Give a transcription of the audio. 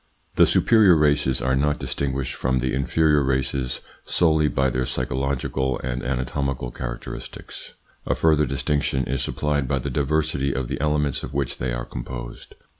THE superior races are not distinguished from the inferior races solely by their psychologica and anatomical characteristics. A further distinction is supplied by the diversity of the elements of which they are composed.